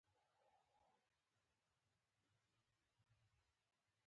زاڼې ټولې ستړي، ستړي